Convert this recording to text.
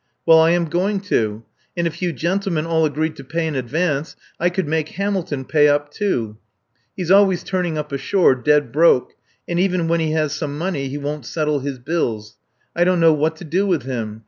"Well, I am going to. And if you gentlemen all agreed to pay in advance I could make Hamilton pay up, too. He's always turning up ashore dead broke, and even when he has some money he won't settle his bills. I don't know what to do with him.